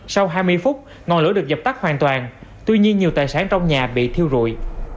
sau hai mươi phút ngọn lửa được dập tắt hoàn toàn tuy nhiên nhiều tài sản trong nhà bị thiêu rụi